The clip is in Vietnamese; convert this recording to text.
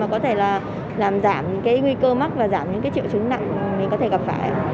có thể là làm giảm cái nguy cơ mắc và giảm những triệu chứng nặng mình có thể gặp phải